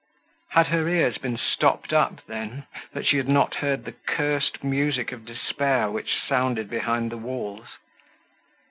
Had her ears been stopped up then, that she had not heard the cursed music of despair which sounded behind the walls?